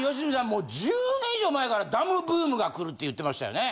もう１０年以上前からダムブームが来るって言ってましたよね？